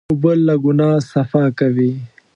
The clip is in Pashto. اوبه له ګناه صفا کوي.